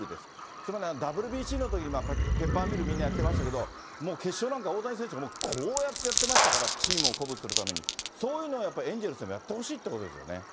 つまりはＷＢＣのときにペッパーミル、みんなやってましたけど、もう決勝なんか、大谷選手がもうこうやってやってましたから、チームを鼓舞するために、そういうのはやっぱり、エンゼルスでもやってほしいということですよね。